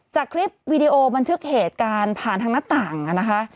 จากคลิปวีดีโอบันทึกเหตุการณ์ผ่านทางหน้าต่างนะคะ